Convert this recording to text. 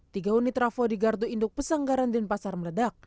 tiga unit trafo di gardu induk pesanggaran denpasar meledak